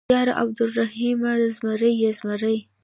_ياره عبرالرحيمه ، زمری يې زمری.